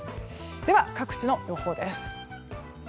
では、各地の予報です。